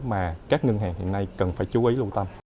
mà các ngân hàng hiện nay cần phải chú ý lưu tâm